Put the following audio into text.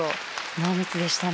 濃密でしたね。